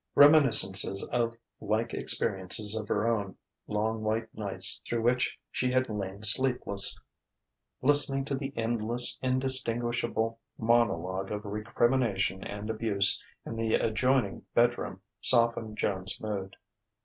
Reminiscences of like experiences of her own, long white nights through which she had lain sleepless, listening to the endless, indistinguishable monologue of recrimination and abuse in the adjoining bedroom, softened Joan's mood.